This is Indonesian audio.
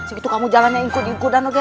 segitu kamu jalannya ikut ikutan oke